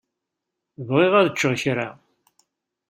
Bɣiɣ ad ččeɣ kra.